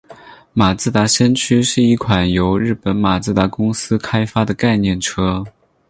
马自达先驱是一款由日本马自达公司开发的概念车。